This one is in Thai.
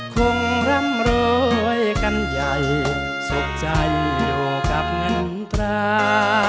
คงร่ำรวยกันใหญ่สุขใจอยู่กับเงินตรา